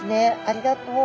ありがとう。